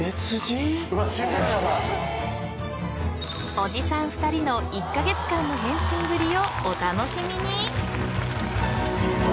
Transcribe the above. ［おじさん２人の１カ月間の変身ぶりをお楽しみに］